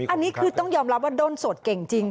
อันนี้คือต้องยอมรับว่าด้นโสดเก่งจริง